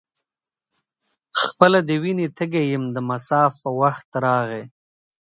خپله د وینې تږی یم د مصاف وخت راغی.